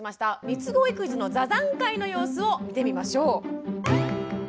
みつご育児の座談会の様子を見てみましょう。